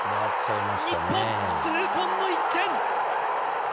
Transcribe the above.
日本、痛恨の１点！